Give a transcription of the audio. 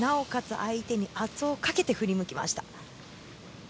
相手に圧をかけて振り向きました。